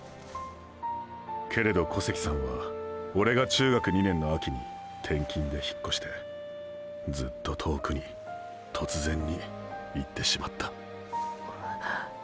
けれど小関さんはオレが中学２年の秋に転勤で引っ越してずっと遠くに突然に行ってしまった。